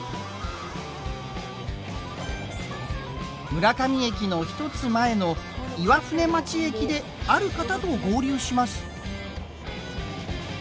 村上駅の一つ前の岩船町駅である方と合流します。